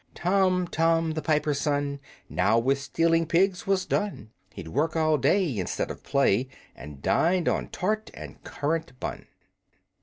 Tom, Tom, the piper's son Now with stealing pigs was done, He'd work all day instead of play, And dined on tart and currant bun.